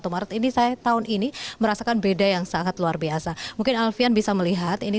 satu maret ini saya tahun ini merasakan beda yang sangat luar biasa mungkin alfian bisa melihat ini